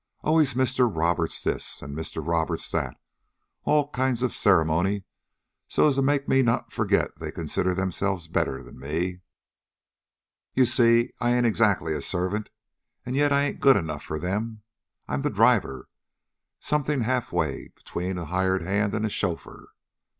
"Always MISTER Roberts this, an' MISTER Roberts that all kinds of ceremony so as to make me not forget they consider themselves better 'n me. You see, I ain't exactly a servant, an' yet I ain't good enough for them. I'm the driver something half way between a hired man and a chauffeur.